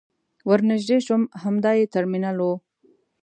ور نژدې شوم همدا يې ترمینل و.